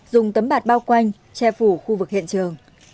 dùng tấm bạt bao quanh che phủ khu vực hiện trường